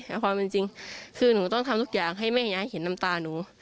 แต่ความจริงคือหนูต้องทำทุกอย่างให้แม่ยายเห็นน้ำตาหนู